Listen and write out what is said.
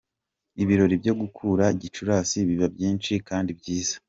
Ibirori byo gukura Gicurasi biba byinshi kandi byiza.